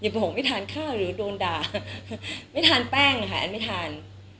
ปกติไม่ทานข้าวหรือโดนด่าไม่ทานแป้งค่ะแอนไม่ทาน